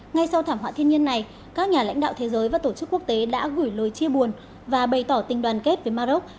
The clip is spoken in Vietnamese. ngay sau thảm họa thiên nhiên này các nhà lãnh đạo thế giới và tổ chức quốc tế đã gửi lời chia buồn và bày tỏ tình đoàn kết với maroc